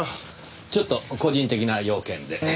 ちょっと個人的な用件で。